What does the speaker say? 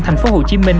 thành phố hồ chí minh